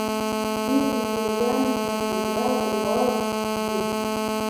ځینې ویډیوګانې د خندا وړ دي.